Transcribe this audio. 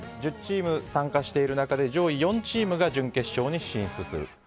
１０チーム参加している中で上位４チームが準決勝に進出する。